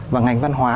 và ngành văn hóa